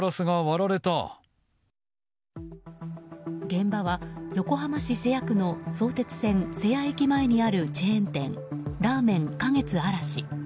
現場は横浜市瀬谷区の相鉄線瀬谷駅前にあるチェーン店らあめん花月嵐。